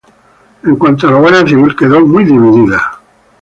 En cuanto a la Guardia Civil quedó muy dividida.